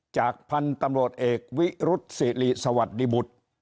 จากพันธุ์ตำรวจเอกวิรุษศิริสวัสดิบุตร